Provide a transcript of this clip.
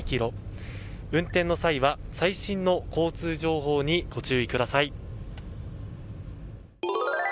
運転の際は、最新の交通情報にご注意ください。